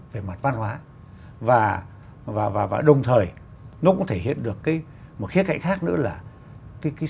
về mặt văn hóa và và và đồng thời nó cũng thể hiện được cái một khía cạnh khác nữa là cái cái